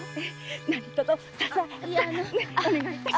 何とぞお願いします。